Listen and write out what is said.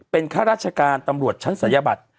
เป็นข้าราชการตำรวจชั้นศัลยบัตร